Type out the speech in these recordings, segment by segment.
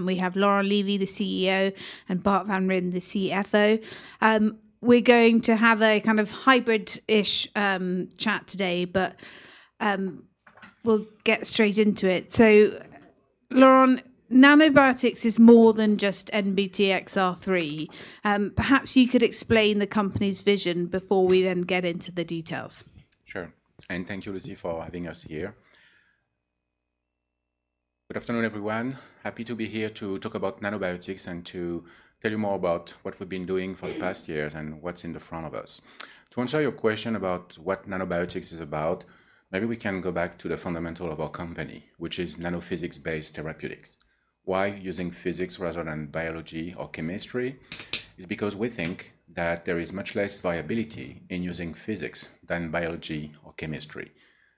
We have Laurent Lévy, the CEO, and Bart Van Rhijn, the CFO. We're going to have a kind of hybrid-ish chat today, but we'll get straight into it. So, Laurent, Nanobiotix is more than just NBTXR3. Perhaps you could explain the company's vision before we then get into the details. Sure. And thank you, Lucy, for having us here. Good afternoon, everyone. Happy to be here to talk about Nanobiotix and to tell you more about what we've been doing for the past years and what's in the front of us. To answer your question about what Nanobiotix is about, maybe we can go back to the fundamental of our company, which is Nanophysics-based therapeutics. Why using physics rather than biology or chemistry? It's because we think that there is much less variability in using physics than biology or chemistry.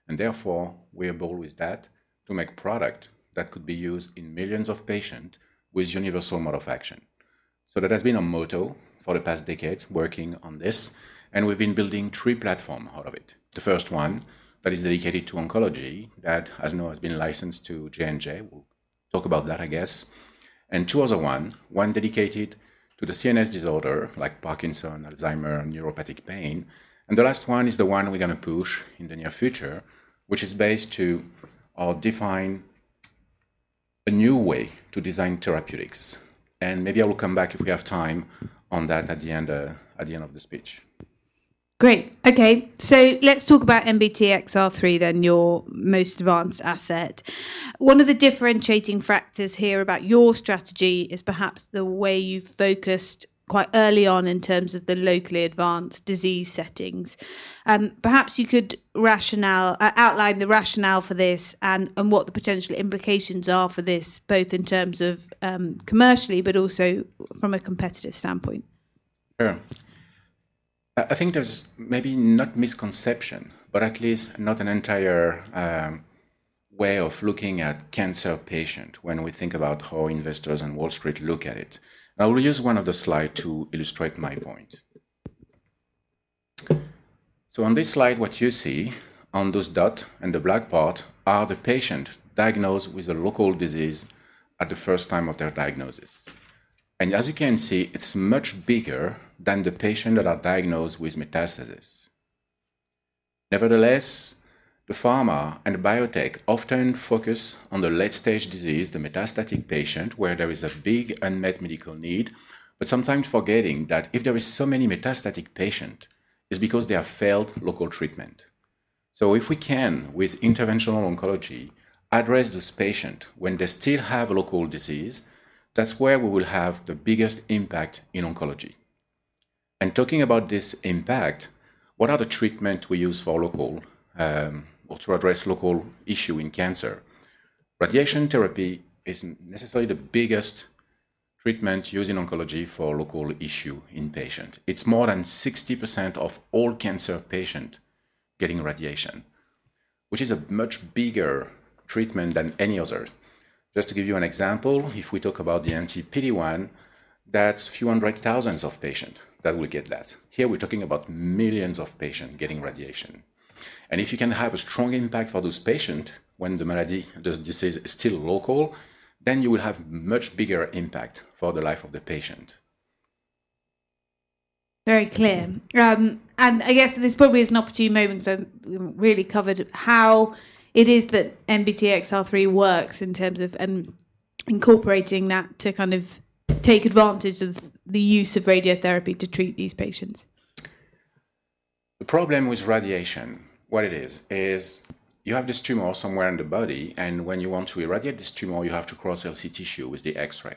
And therefore, we are bold with that to make a product that could be used in millions of patients with universal mode of action. So that has been our motto for the past decades working on this. And we've been building three platforms out of it. The first one that is dedicated to oncology, that has now been licensed to J&J. We'll talk about that, I guess. And two other ones, one dedicated to the CNS disorder like Parkinson's, Alzheimer's, and neuropathic pain. And the last one is the one we're going to push in the near future, which is based on defining a new way to design therapeutics. And maybe I will come back if we have time on that at the end of the speech. Great. Okay. So let's talk about NBTXR3, then your most advanced asset. One of the differentiating factors here about your strategy is perhaps the way you focused quite early on in terms of the locally advanced disease settings. Perhaps you could outline the rationale for this and what the potential implications are for this, both in terms of commercially but also from a competitive standpoint. Sure. I think there's maybe not a misconception, but at least not the entire way of looking at cancer patients when we think about how investors and Wall Street look at it. I will use one of the slides to illustrate my point. So on this slide, what you see on those dots and the black part are the patients diagnosed with a local disease at the first time of their diagnosis. And as you can see, it's much bigger than the patients that are diagnosed with metastasis. Nevertheless, the pharma and biotech often focus on the late-stage disease, the metastatic patient, where there is a big unmet medical need, but sometimes forgetting that if there are so many metastatic patients, it's because they have failed local treatment. If we can, with interventional oncology, address those patients when they still have a local disease, that's where we will have the biggest impact in oncology. Talking about this impact, what are the treatments we use for local or to address local issues in cancer? Radiation therapy is necessarily the biggest treatment used in oncology for local issues in patients. It's more than 60% of all cancer patients getting radiation, which is a much bigger treatment than any other. Just to give you an example, if we talk about the PD-1, that's a few hundred thousand patients that will get that. Here, we're talking about millions of patients getting radiation. If you can have a strong impact for those patients when the disease is still local, then you will have a much bigger impact for the life of the patient. Very clear. And I guess this probably is an opportune moment because we've really covered how it is that NBTXR3 works in terms of incorporating that to kind of take advantage of the use of radiotherapy to treat these patients. The problem with radiation, what it is, is you have this tumor somewhere in the body, and when you want to irradiate this tumor, you have to cross healthy tissue with the X-ray.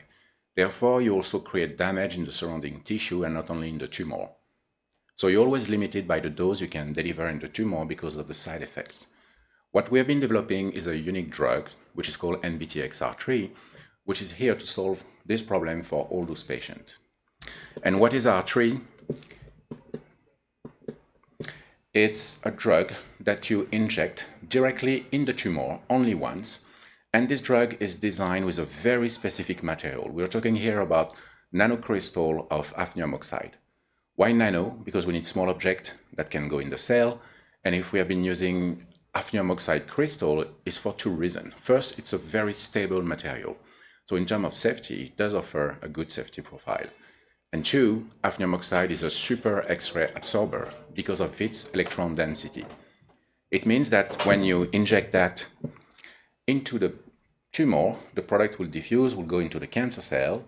Therefore, you also create damage in the surrounding tissue and not only in the tumor. So you're always limited by the dose you can deliver in the tumor because of the side effects. What we have been developing is a unique drug, which is called NBTXR3, which is here to solve this problem for all those patients. And what is R3? It's a drug that you inject directly in the tumor only once. And this drug is designed with a very specific material. We're talking here about nanocrystals of hafnium oxide. Why nano? Because we need small objects that can go in the cell. And why we have been using hafnium oxide crystals, it's for two reasons. First, it's a very stable material. So in terms of safety, it does offer a good safety profile. And two, hafnium oxide is a super X-ray absorber because of its electron density. It means that when you inject that into the tumor, the product will diffuse, will go into the cancer cell.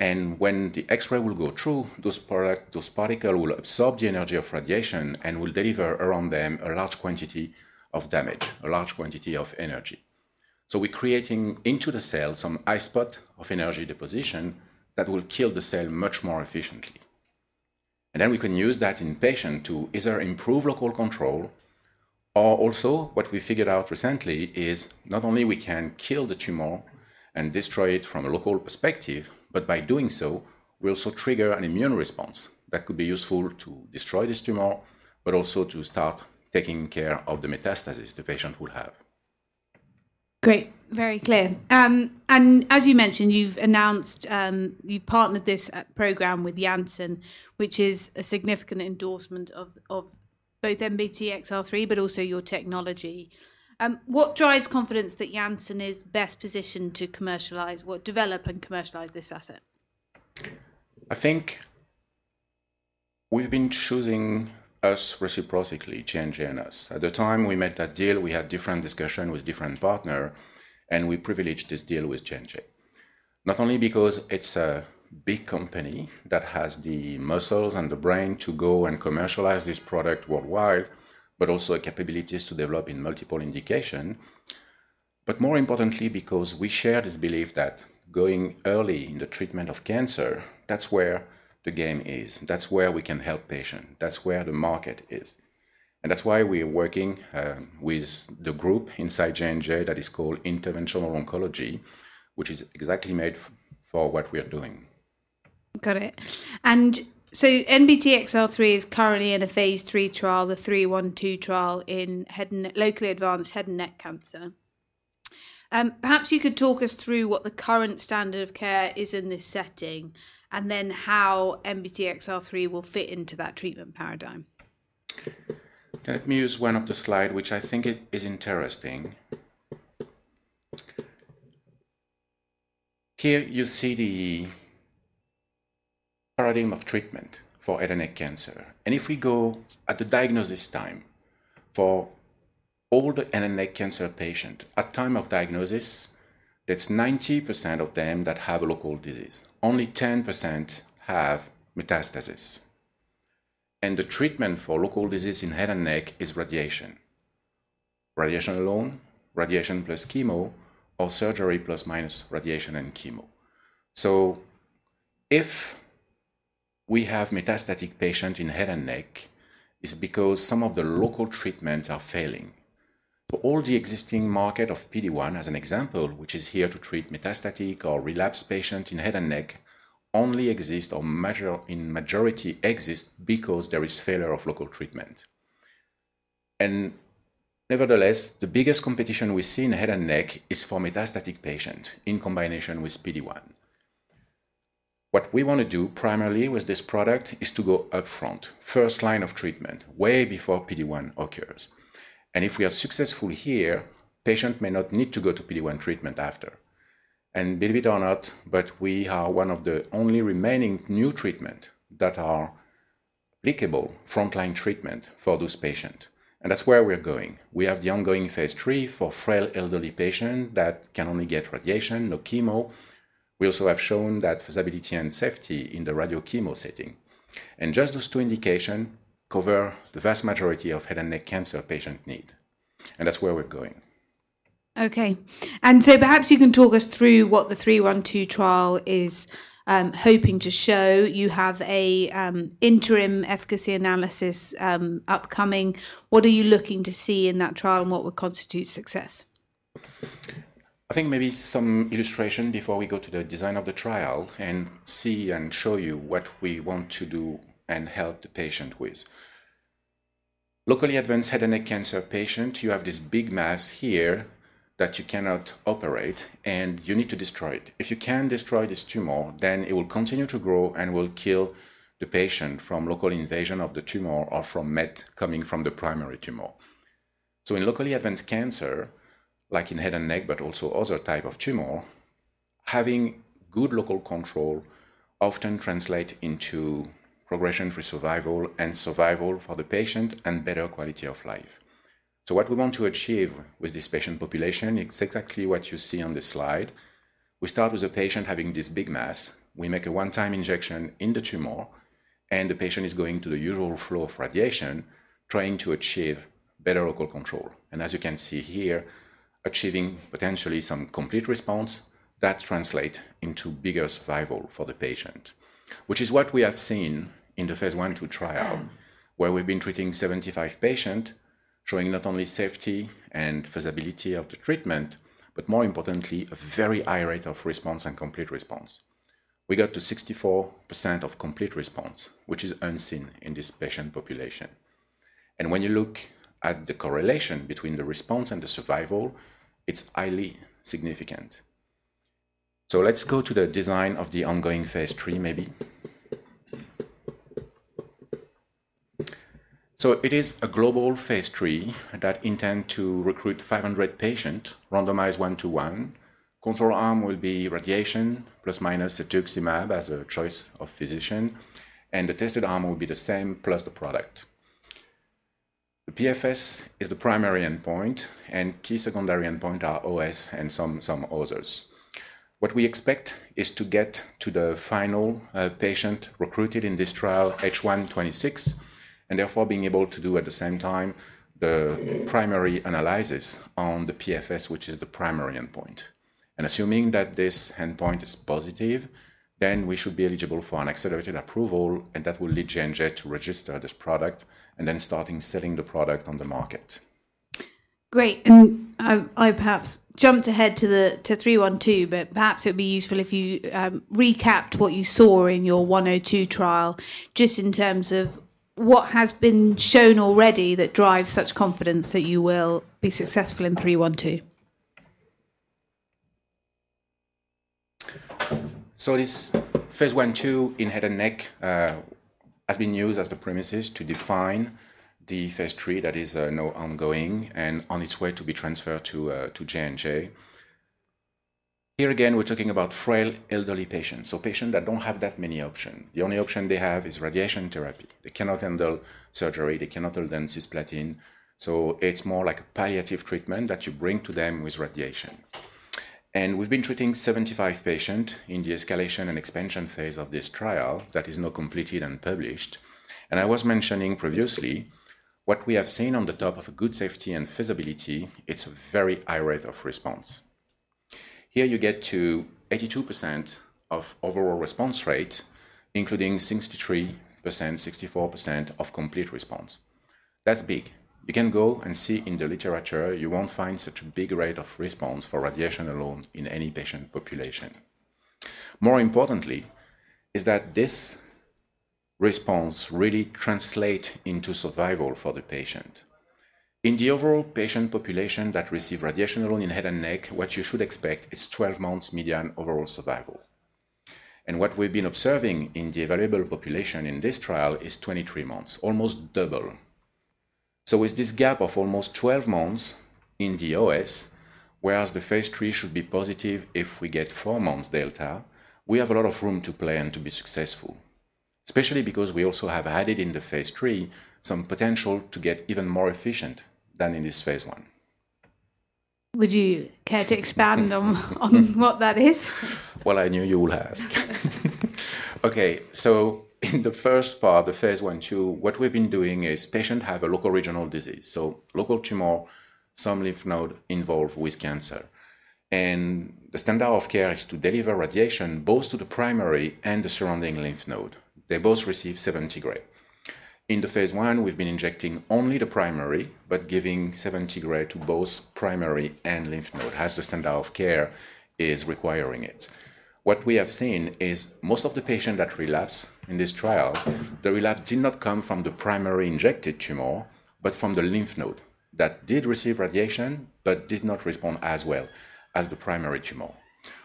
And when the X-ray will go through, those particles will absorb the energy of radiation and will deliver around them a large quantity of damage, a large quantity of energy. So we're creating into the cell some hotspot of energy deposition that will kill the cell much more efficiently. And then we can use that in patients to either improve local control, or also what we figured out recently is not only can we kill the tumor and destroy it from a local perspective, but by doing so, we also trigger an immune response that could be useful to destroy this tumor, but also to start taking care of the metastasis the patient will have. Great. Very clear. And as you mentioned, you've announced you've partnered this program with Janssen, which is a significant endorsement of both NBTXR3, but also your technology. What drives confidence that Janssen is best positioned to commercialize or develop and commercialize this asset? I think we've been choosing us reciprocally, J&J and us. At the time we made that deal, we had different discussions with different partners, and we privileged this deal with J&J. Not only because it's a big company that has the muscles and the brain to go and commercialize this product worldwide, but also capabilities to develop in multiple indications. But more importantly, because we share this belief that going early in the treatment of cancer, that's where the game is. That's where we can help patients. That's where the market is. And that's why we're working with the group inside J&J that is called Interventional Oncology, which is exactly made for what we are doing. Got it. And so NBTXR3 is currently in a phase III trial, the 312 trial in locally advanced head and neck cancer. Perhaps you could talk us through what the current standard of care is in this setting, and then how NBTXR3 will fit into that treatment paradigm. Let me use one of the slides, which I think is interesting. Here you see the paradigm of treatment for head and neck cancer. And if we go at the diagnosis time for all the head and neck cancer patients at the time of diagnosis, that's 90% of them that have a local disease. Only 10% have metastasis. And the treatment for local disease in head and neck is radiation. Radiation alone, radiation plus chemo, or surgery plus or minus radiation and chemo. So if we have metastatic patients in head and neck, it's because some of the local treatments are failing. All the existing market of PD-1, as an example, which is here to treat metastatic or relapsed patients in head and neck, only exists or in majority exists because there is failure of local treatment. Nevertheless, the biggest competition we see in head and neck is for metastatic patients in combination with PD-1. What we want to do primarily with this product is to go upfront, first line of treatment, way before PD-1 occurs. If we are successful here, patients may not need to go to PD-1 treatment after. Believe it or not, but we are one of the only remaining new treatments that are applicable frontline treatment for those patients. That's where we're going. We have the ongoing phase III for frail elderly patients that can only get radiation, no chemo. We also have shown that feasibility and safety in the radiochemo setting. Just those two indications cover the vast majority of head and neck cancer patients' needs. That's where we're going. Okay. And so perhaps you can talk us through what the 312 trial is hoping to show? You have an interim efficacy analysis upcoming. What are you looking to see in that trial and what would constitute success? I think maybe some illustration before we go to the design of the trial and see and show you what we want to do and help the patient with. Locally advanced head and neck cancer patients, you have this big mass here that you cannot operate, and you need to destroy it. If you cannot destroy this tumor, then it will continue to grow and will kill the patient from local invasion of the tumor or from mets coming from the primary tumor. So in locally advanced cancer, like in head and neck, but also other types of tumor, having good local control often translates into progression-free survival and survival for the patient and better quality of life. So what we want to achieve with this patient population, it's exactly what you see on the slide. We start with a patient having this big mass. We make a one-time injection in the tumor, and the patient is going to the usual flow of radiation, trying to achieve better local control. And as you can see here, achieving potentially some complete response that translates into bigger survival for the patient, which is what we have seen in the phase I/II trial, where we've been treating 75 patients, showing not only safety and feasibility of the treatment, but more importantly, a very high rate of response and complete response. We got to 64% of complete response, which is unseen in this patient population. And when you look at the correlation between the response and the survival, it's highly significant. So let's go to the design of the ongoing phase III, maybe. So it is a global phase III that intends to recruit 500 patients, randomized one-to-one. Control arm will be radiation plus or minus cetuximab as a choice of physician. And the tested arm will be the same plus the product. The PFS is the primary endpoint, and key secondary endpoints are OS and some others. What we expect is to get to the final patient recruited in this trial, H1 2026, and therefore being able to do at the same time the primary analysis on the PFS, which is the primary endpoint. And assuming that this endpoint is positive, then we should be eligible for an accelerated approval, and that will lead J&J to register this product and then start selling the product on the market. Great. And I perhaps jumped ahead to the 312, but perhaps it would be useful if you recapped what you saw in your 102 trial, just in terms of what has been shown already that drives such confidence that you will be successful in 312. This phase I/II in head and neck has been used as the premise to define the phase III that is now ongoing and on its way to be transferred to J&J. Here again, we're talking about frail elderly patients, so patients that don't have that many options. The only option they have is radiation therapy. They cannot handle surgery. They cannot handle cisplatin. So it's more like a palliative treatment that you bring to them with radiation. We've been treating 75 patients in the escalation and expansion phase of this trial that is now completed and published. I was mentioning previously what we have seen on top of good safety and feasibility. It's a very high rate of response. Here you get to 82% of overall response rate, including 63%-64% of complete response. That's big. You can go and see in the literature, you won't find such a big rate of response for radiation alone in any patient population. More importantly, is that this response really translates into survival for the patient? In the overall patient population that receives radiation alone in head and neck, what you should expect is 12 months median overall survival. And what we've been observing in the available population in this trial is 23 months, almost double. So with this gap of almost 12 months in the OS, whereas the phase III should be positive if we get four months delta, we have a lot of room to play and to be successful, especially because we also have added in the phase III some potential to get even more efficient than in this phase I. Would you care to expand on what that is? I knew you would ask. Okay. In the first part, the phase I/II, what we've been doing is patients have a locoregional disease. Local tumor, some lymph node involved with cancer. The standard of care is to deliver radiation both to the primary and the surrounding lymph node. They both receive 70 gray. In the phase I, we've been injecting only the primary, but giving 70 gray to both primary and lymph node as the standard of care is requiring it. What we have seen is most of the patients that relapse in this trial, the relapse did not come from the primary injected tumor, but from the lymph node that did receive radiation, but did not respond as well as the primary tumor,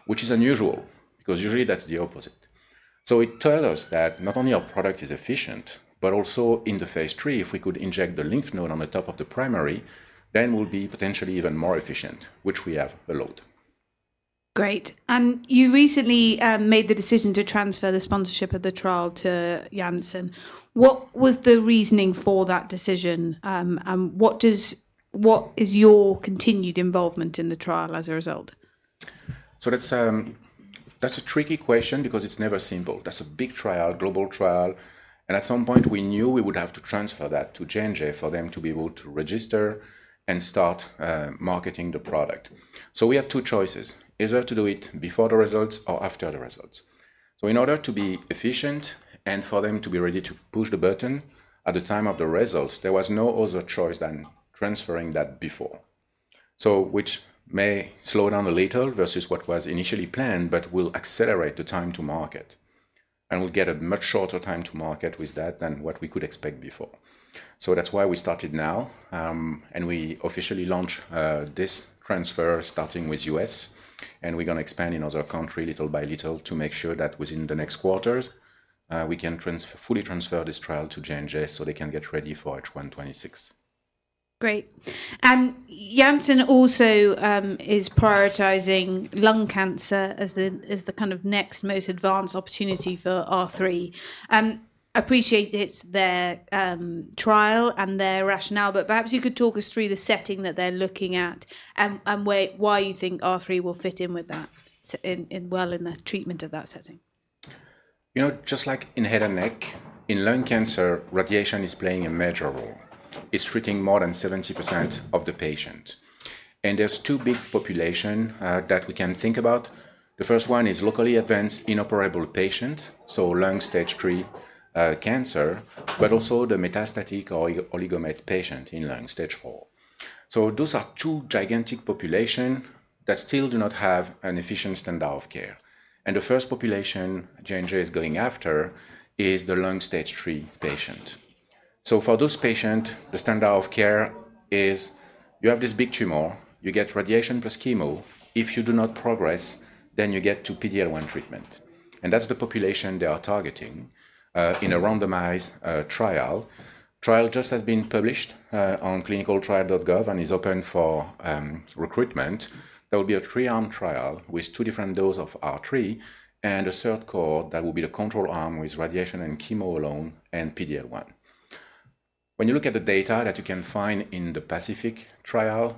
which is unusual because usually that's the opposite. So it tells us that not only our product is efficient, but also in the phase III, if we could inject the lymph node on the top of the primary, then we'll be potentially even more efficient, which we have a lot. Great. And you recently made the decision to transfer the sponsorship of the trial to Janssen. What was the reasoning for that decision? And what is your continued involvement in the trial as a result? So that's a tricky question because it's never simple. That's a big trial, global trial. And at some point, we knew we would have to transfer that to J&J for them to be able to register and start marketing the product. So we had two choices. Either to do it before the results or after the results. So in order to be efficient and for them to be ready to push the button at the time of the results, there was no other choice than transferring that before, which may slow down a little versus what was initially planned, but will accelerate the time to market. And we'll get a much shorter time to market with that than what we could expect before. So that's why we started now. And we officially launched this transfer starting with U.S. We're going to expand in other countries little by little to make sure that within the next quarter, we can fully transfer this trial to J&J so they can get ready for H1 2026. Great. And Janssen also is prioritizing lung cancer as the kind of next most advanced opportunity for R3. And I appreciate it's their trial and their rationale, but perhaps you could talk us through the setting that they're looking at and why you think R3 will fit in with that well in the treatment of that setting. Just like in head and neck, in lung cancer, radiation is playing a major role. It's treating more than 70% of the patients, and there's two big populations that we can think about. The first one is locally advanced inoperable patients, so lung stage three cancer, but also the metastatic or oligometastatic patients in lung stage four, so those are two gigantic populations that still do not have an efficient standard of care, and the first population J&J is going after is the lung stage three patients, so for those patients, the standard of care is you have this big tumor, you get radiation plus chemo. If you do not progress, then you get to PD-1 treatment, and that's the population they are targeting in a randomized trial. The trial just has been published on clinicaltrials.gov and is open for recruitment. There will be a three-arm trial with two different doses of R3 and a third arm that will be the control arm with radiation and chemo alone and PD-1. When you look at the data that you can find in the PACIFIC trial,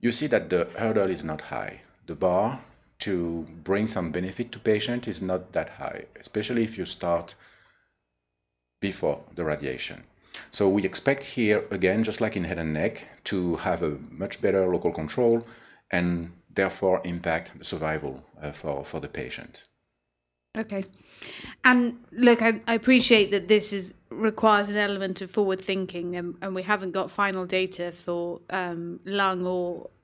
you see that the hurdle is not high. The bar to bring some benefit to patients is not that high, especially if you start before the radiation. So we expect here, again, just like in head and neck, to have a much better local control and therefore impact the survival for the patient. Okay, and look, I appreciate that this requires an element of forward thinking, and we haven't got final data for lung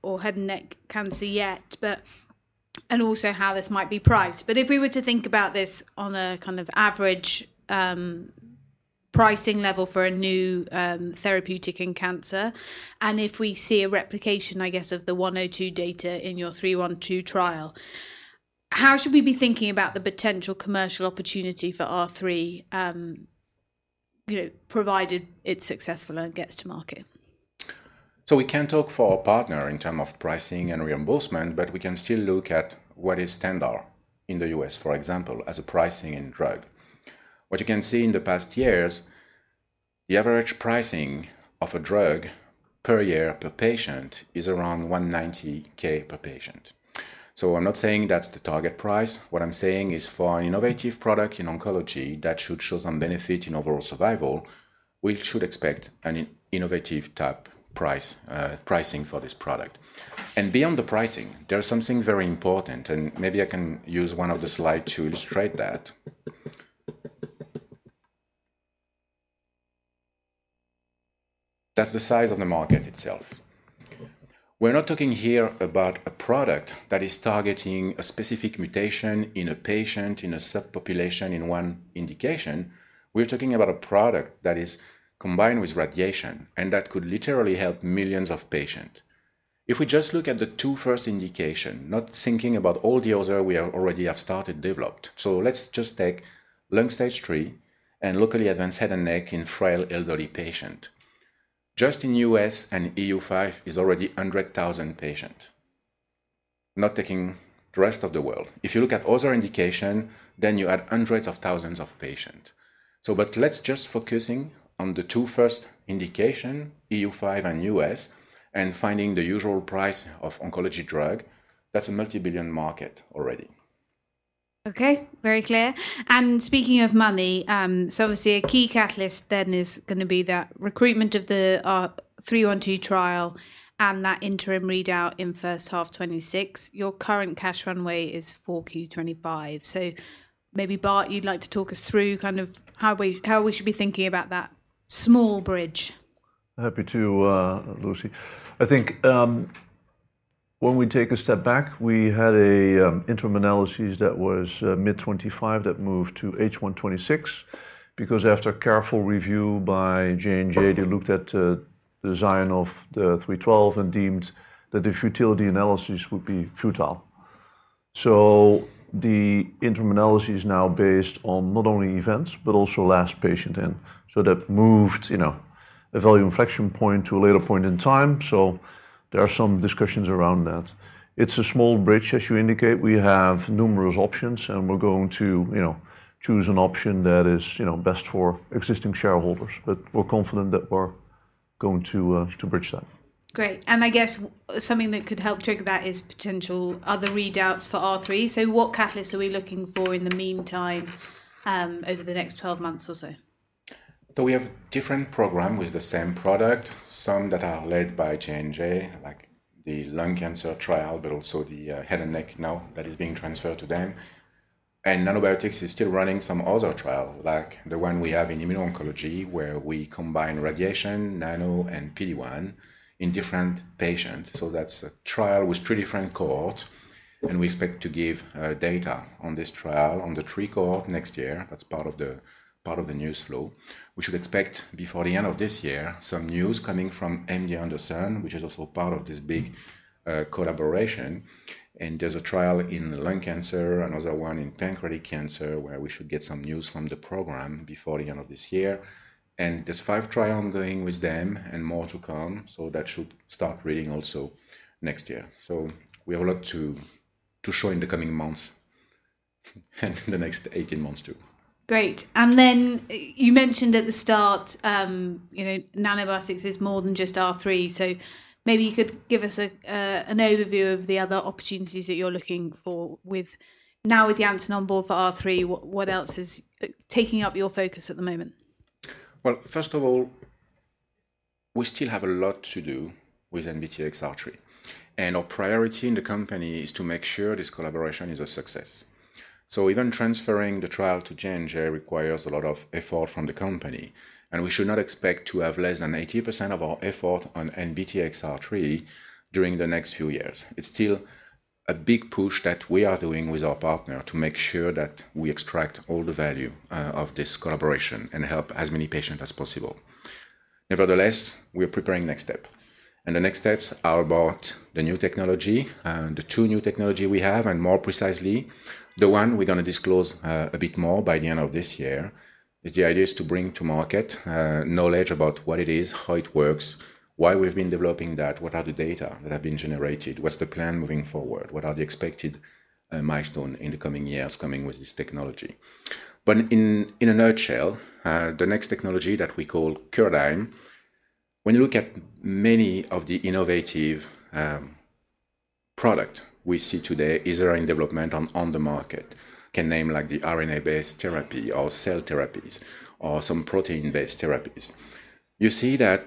or head and neck cancer yet, and also how this might be priced, but if we were to think about this on a kind of average pricing level for a new therapeutic in cancer, and if we see a replication, I guess, of the 102 data in your 312 trial, how should we be thinking about the potential commercial opportunity for R3 provided it's successful and it gets to market? So we can't talk for our partner in terms of pricing and reimbursement, but we can still look at what is standard in the U.S., for example, as a pricing in drug. What you can see in the past years, the average pricing of a drug per year per patient is around $190K per patient. So I'm not saying that's the target price. What I'm saying is for an innovative product in oncology that should show some benefit in overall survival, we should expect an innovative type pricing for this product. And beyond the pricing, there's something very important, and maybe I can use one of the slides to illustrate that. That's the size of the market itself. We're not talking here about a product that is targeting a specific mutation in a patient, in a subpopulation, in one indication. We're talking about a product that is combined with radiation, and that could literally help millions of patients. If we just look at the two first indications, not thinking about all the others we already have started developed. So let's just take lung stage three and locally advanced head and neck in frail elderly patients. Just in U.S. and EU5, it's already 100,000 patients, not taking the rest of the world. If you look at other indications, then you add hundreds of thousands of patients. But let's just focus on the two first indications, EU5 and U.S., and finding the usual price of oncology drug. That's a multi-billion market already. Okay. Very clear. And speaking of money, so obviously a key catalyst then is going to be that recruitment of the 312 trial and that interim readout in first half 2026. Your current cash runway is 4Q25. So maybe, Bart, you'd like to talk us through kind of how we should be thinking about that small bridge. Happy to, Lucy. I think when we take a step back, we had an interim analysis that was mid-25 that moved to H1 2026 because after careful review by J&J, they looked at the design of the 312 and deemed that the futility analysis would be futile, so the interim analysis is now based on not only events, but also last patient, and so that moved the value inflection point to a later point in time, so there are some discussions around that. It's a small bridge, as you indicate. We have numerous options, and we're going to choose an option that is best for existing shareholders, but we're confident that we're going to bridge that. Great. And I guess something that could help trigger that is potential other readouts for R3. So what catalysts are we looking for in the meantime over the next 12 months or so? So we have a different program with the same product, some that are led by J&J, like the lung cancer trial, but also the head and neck now that is being transferred to them. And Nanobiotix is still running some other trials, like the one we have in immuno-oncology, where we combine radiation, nano, and PD-1 in different patients. So that's a trial with three different cohorts. And we expect to give data on this trial on the three cohorts next year. That's part of the news flow. We should expect before the end of this year, some news coming from MD Anderson, which is also part of this big collaboration. And there's a trial in lung cancer, another one in pancreatic cancer, where we should get some news from the program before the end of this year. And there's five trials ongoing with them and more to come. So that should start recruiting also next year. So we have a lot to show in the coming months and in the next 18 months too. Great. And then you mentioned at the start, Nanobiotix is more than just R3. So maybe you could give us an overview of the other opportunities that you're looking for now with Janssen on board for R3. What else is taking up your focus at the moment? First of all, we still have a lot to do with NBTXR3. And our priority in the company is to make sure this collaboration is a success. So even transferring the trial to J&J requires a lot of effort from the company. And we should not expect to have less than 80% of our effort on NBTXR3 during the next few years. It's still a big push that we are doing with our partner to make sure that we extract all the value of this collaboration and help as many patients as possible. Nevertheless, we are preparing next steps. And the next steps are about the new technology, the two new technologies we have, and more precisely, the one we're going to disclose a bit more by the end of this year. The idea is to bring to market knowledge about what it is, how it works, why we've been developing that, what are the data that have been generated, what's the plan moving forward, what are the expected milestones in the coming years coming with this technology. But in a nutshell, the next technology that we call Curadigm, when you look at many of the innovative products we see today that are in development on the market, candidates like the RNA-based therapy or cell therapies or some protein-based therapies, you see that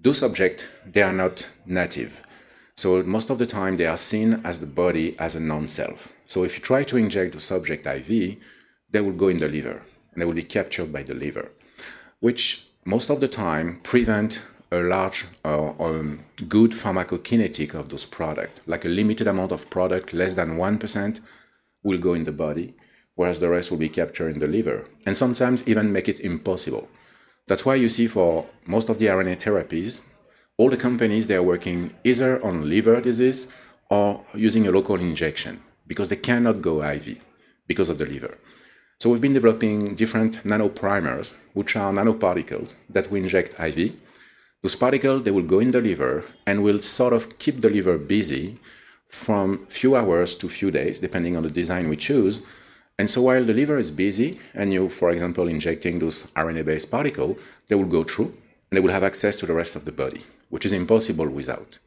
those subjects, they are not native. So most of the time, they are seen as the body as a non-self. So if you try to inject the subject IV, they will go in the liver. They will be captured by the liver, which most of the time prevents a large good pharmacokinetic of those products. Like a limited amount of product, less than 1% will go in the body, whereas the rest will be captured in the liver and sometimes even make it impossible. That's why you see for most of the RNA therapies, all the companies, they are working either on liver disease or using a local injection because they cannot go IV because of the liver. So we've been developing different nanoprimers, which are nanoparticles that we inject IV. Those particles, they will go in the liver and will sort of keep the liver busy from a few hours to a few days, depending on the design we choose. And so while the liver is busy and you, for example, injecting those RNA-based particles, they will go through and they will have access to the rest of the body, which is impossible without.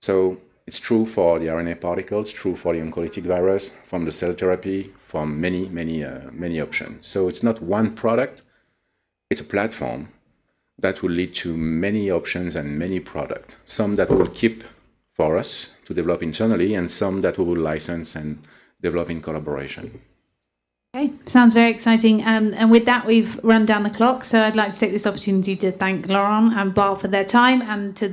So it's true for the RNA particles, true for the oncolytic virus from the cell therapy, from many, many, many options. So it's not one product. It's a platform that will lead to many options and many products, some that we will keep for us to develop internally and some that we will license and develop in collaboration. Okay. Sounds very exciting. And with that, we've run down the clock. So I'd like to take this opportunity to thank Laurent and Bart for their time and to.